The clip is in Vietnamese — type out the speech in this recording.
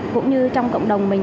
cũng như trong cộng đồng mình